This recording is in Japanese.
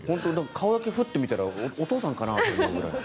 顔だけふっと見たらお父さんかなと思うぐらい。